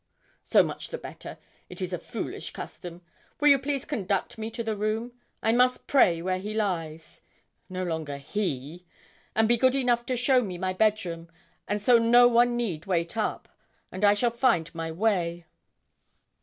'So much the better; it is a foolish custom. Will you please conduct me to the room? I must pray where he lies no longer he! And be good enough to show me my bedroom, and so no one need wait up, and I shall find my way.'